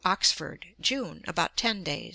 Oxford, June; about ten days.